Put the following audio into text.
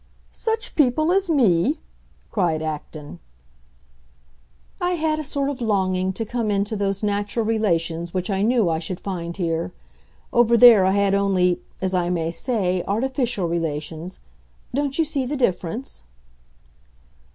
"Such people as me?" cried Acton. "I had a sort of longing to come into those natural relations which I knew I should find here. Over there I had only, as I may say, artificial relations. Don't you see the difference?"